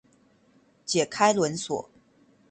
解開輪鎖